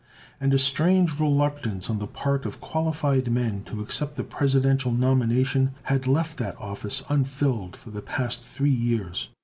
And a strange reluctance on the part of qualified men to accept the Presidential nomination had left that office unfilled for the past three years.